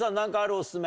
オススメ。